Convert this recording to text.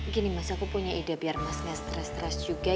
gini mas aku punya ide biar mas gak stres stres juga